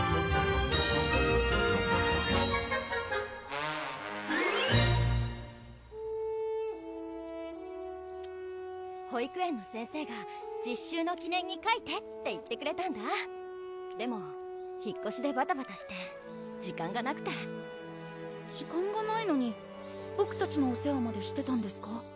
えぇ⁉保育園の先生が実習の記念にかいてって言ってくれたんだでも引っこしでばたばたして時間がなくて時間がないのにボクたちのお世話までしてたんですか？